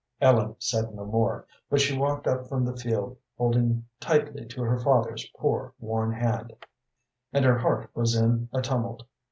Ellen said no more, but she walked up from the field holding tightly to her father's poor, worn hand, and her heart was in a tumult.